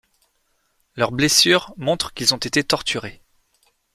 Leurs blessures montrent qu'ils ont été torturés.